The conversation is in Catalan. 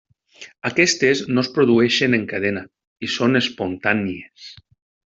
Aquestes no es produeixen en cadena i són espontànies.